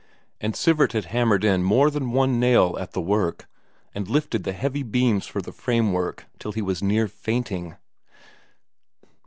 And Sivert had hammered in more than one nail at the work, and lifted the heavy beams for the framework till he was near fainting.